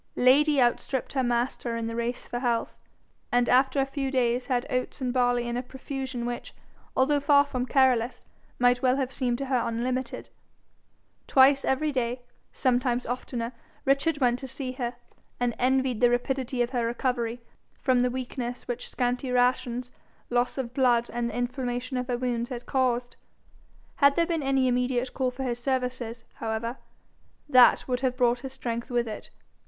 Lady outstripped her master in the race for health, and after a few days had oats and barley in a profusion which, although far from careless, might well have seemed to her unlimited. Twice every day, sometimes oftener, Richard went to see her, and envied the rapidity of her recovery from the weakness which scanty rations, loss of blood, and the inflammation of her wounds had caused. Had there been any immediate call for his services, however, that would have brought his strength with it.